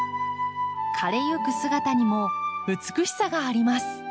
枯れゆく姿にも美しさがあります。